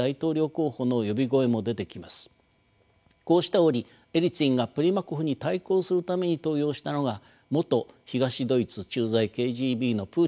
こうした折エリツィンがプリマコフに対抗するために登用したのが元東ドイツ駐在ＫＧＢのプーチン現大統領でした。